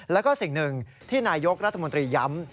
แล้วก็สิ่งหนึ่งที่นายกรัฐมนตรีย้ำ